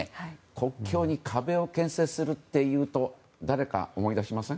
国境に壁を建設するというと誰か思い出しません？